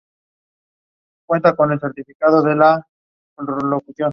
Otras puertas de entrada incluyen úlceras, dermatitis por estasis venosa y heridas.